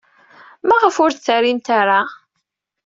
Maɣef ur d-terrimt ara?